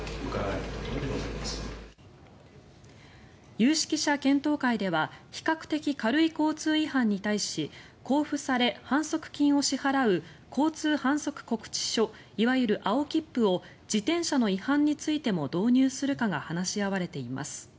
有識者検討会では比較的軽い交通違反に対し交付され、反則金を支払う交通反則告知書いわゆる青切符を自転車の違反についても導入するかが話し合われています。